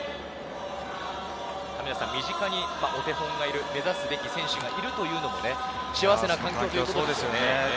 身近にお手本がいる、目指すべき選手がいるというのも幸せな環境ですね。